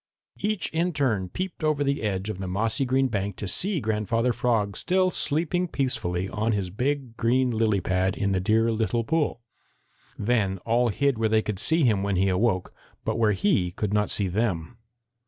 Each in turn peeped over the edge of the mossy green bank to see Grandfather Frog still sleeping peacefully on his big green lily pad in the dear little pool. Then all hid where they could see him when he awoke, but where he could not see them.